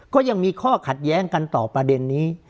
ก็ยังมีข้อขัดแย้งกันต่อประเด็นนี้